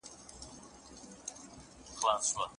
حضوري زده کړه زده کوونکي د دوامداره زده کړې فعالیت کول.